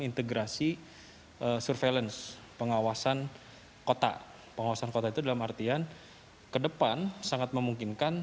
integrasi surveillance pengawasan kota pengawasan kota itu dalam artian ke depan sangat memungkinkan